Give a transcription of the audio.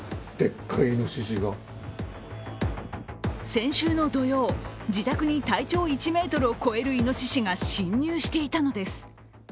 先週の土曜、自宅に体長１ｍを超えるいのししが侵入していたのです。